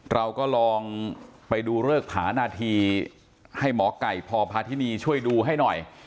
เราก็ลองไปดูเริกผานาทีให้หมอไก่พพาธินีช่วยดูให้หน่อย